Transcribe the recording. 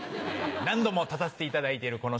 何度も立たせていただいてる